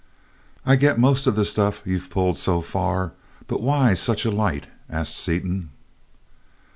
"I get most of the stuff you've pulled so far, but why such a light?" asked Seaton.